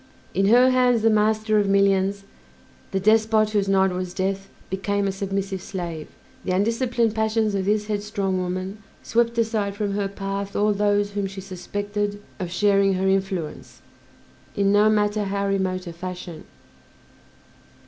In her hands the master of millions, the despot whose nod was death, became a submissive slave; the undisciplined passions of this headstrong woman swept aside from her path all those whom she suspected of sharing her influence, in no matter how remote a fashion.